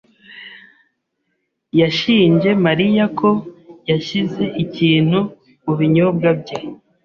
yashinje Mariya ko yashyize ikintu mu binyobwa bye.